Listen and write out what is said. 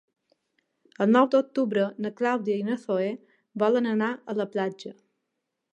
El nou d'octubre na Clàudia i na Zoè volen anar a la platja.